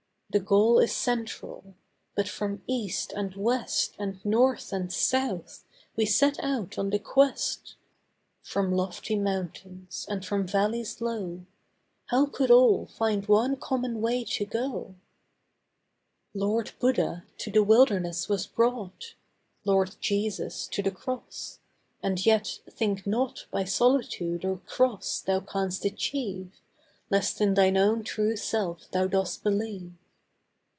The goal is central; but from east, and west, And north, and south, we set out on the quest; From lofty mountains, and from valleys low:— How could all find one common way to go? Lord Buddha to the wilderness was brought. Lord Jesus to the Cross. And yet, think not By solitude, or cross, thou canst achieve, Lest in thine own true Self thou dost believe.